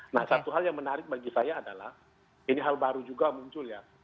nah satu hal yang menarik bagi saya adalah ini hal baru juga muncul ya